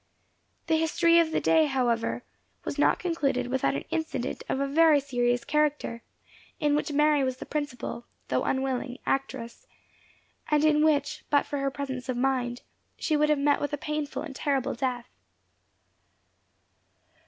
The history of the day, however, was not concluded without an incident of a very serious character, in which Mary was the principal, though unwilling actress; and in which, but for her presence of mind, she would have met with a painful and terrible death.